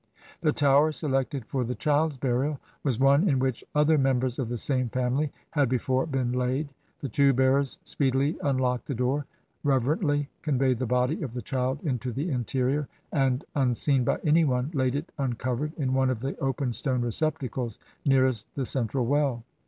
The Tower selected for the child's burial was one in which other members of the same family had before been laid. The two bearers speedily unlocked the door, rever ently conveyed the body of the child into the interior, and, unseen by any one, laid it uncovered in one of the open stone receptacles nearest the central well.